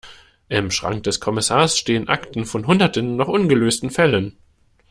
Im Schrank des Kommissars stehen Akten von hunderten noch ungelösten Fällen.